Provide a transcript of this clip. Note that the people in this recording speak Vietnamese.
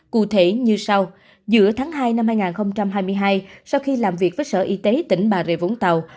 cụ thể như sau giữa tháng hai năm hai nghìn hai mươi hai sau khi làm việc với sở y tế tỉnh bà rịa vũng tàu